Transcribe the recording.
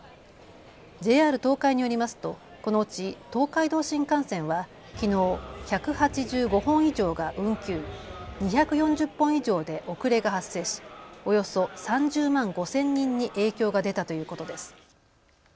ＪＲ東海によりますとこのうち東海道新幹線はきのう１８５本以上が運休、２４０本以上で遅れが発生しおよそ３０万５０００人に影響が出たということです。